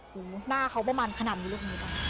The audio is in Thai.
หน้าเขาประมาณขนาดนี้เลย